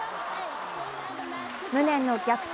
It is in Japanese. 無念の逆転